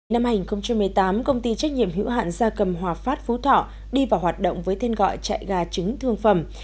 năm hai nghìn một mươi tám công ty trách nhiệm hữu hạn gia cầm hòa phát phú thọ đi vào hoạt động với thên gọi chạy gà trứng thương phẩm